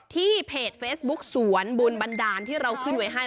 เพจเฟซบุ๊กสวนบุญบันดาลที่เราขึ้นไว้ให้